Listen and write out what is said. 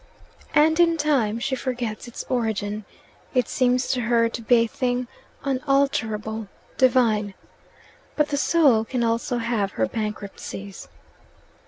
And in time she forgets its origin; it seems to her to be a thing unalterable, divine. But the soul can also have her bankruptcies.